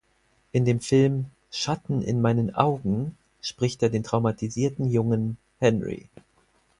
In dem Film "Schatten in meinen Augen" spricht er den traumatisierten Jungen "Henry".